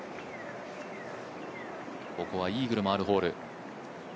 ここはイーグルもあるホール。